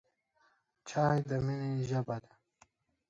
چای د مینې ژبه ده.